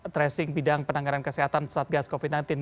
tracing bidang penanganan kesehatan satgas covid sembilan belas